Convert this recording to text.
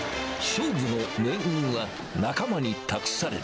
勝負の命運は、仲間に託され